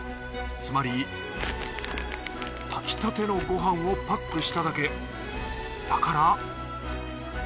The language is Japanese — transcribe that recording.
つまり炊きたてのご飯をパックしただけ。